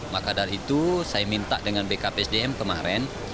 maka dari itu saya minta dengan bkpsdm kemarin